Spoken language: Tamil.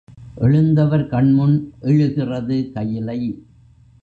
எழுந்தவர் கண்முன் எழுகிறது கயிலை.